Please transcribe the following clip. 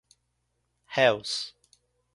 réus